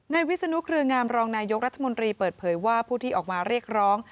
วิศนุเครืองามรองนายกรัฐมนตรีเปิดเผยว่าผู้ที่ออกมาเรียกร้อง